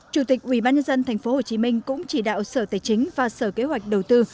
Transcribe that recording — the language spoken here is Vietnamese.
chủ tịch ubnd tp hcm cũng chỉ đạo sở tài chính và sở kế hoạch đầu tư